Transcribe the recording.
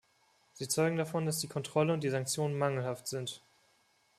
Sie zeugen davon, dass die Kontrolle und die Sanktionen mangelhaft sind.